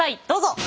どうぞ。